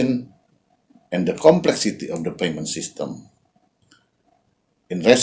dan kompleksitas sistem pembayaran